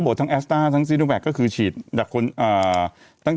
อศัพท์กับตัวที่ฉีดให้กับ